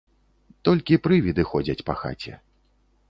Толькі прывіды ходзяць па хаце.